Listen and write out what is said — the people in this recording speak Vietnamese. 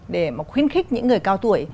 để mà khuyên khích những người cao tuổi